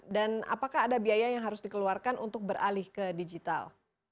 dan apakah ada biaya yang harus dikeluarkan untuk beralih ke digital